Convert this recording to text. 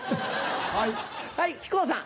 はい木久扇さん。